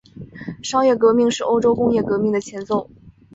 商业革命是欧洲工业革命的前奏。